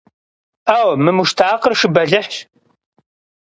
Ӏэу! Мы муштакъыр шы бэлыхьщ!